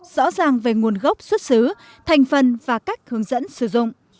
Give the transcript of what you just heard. rõ ràng về nguồn gốc xuất xứ thành phần và cách hướng dẫn sử dụng